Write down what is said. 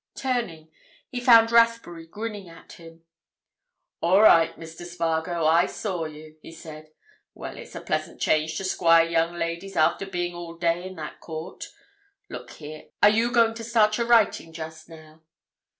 Turning, he found Rathbury grinning at him. "All right, Mr. Spargo, I saw you!" he said. "Well, it's a pleasant change to squire young ladies after being all day in that court. Look here, are you going to start your writing just now?"